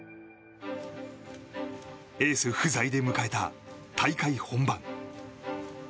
エース不在で迎えた大会本番。